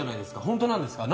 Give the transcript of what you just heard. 本当なんですか？